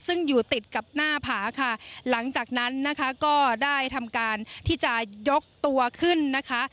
ซึ่งอยู่ติดกับหน้าผาค่ะหลังจากนั้นนะคะก็ได้ทำการที่จะยกตัวขึ้นนะคะ